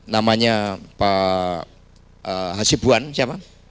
namanya pak hasibuan siapa